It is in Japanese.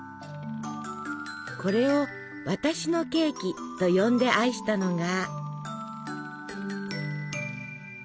これを「私のケーキ」と呼んで愛したのが。